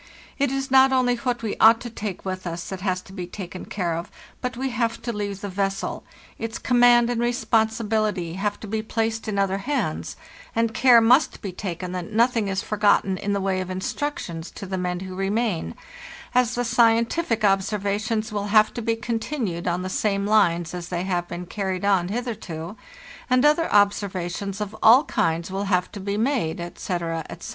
It is not only what we ought to take with us that has to be taken care of, but we have to leave the vessel; its command and _ responsi WE MAKE A START gt bility have to be placed in other hands, and care must be taken that nothing is forgotten in the way of instructions to the men who remain, as the scientific observations will have to be continued on the same lines as they have been carried on hitherto, and other observations of all kinds will have to be made, etc., etc."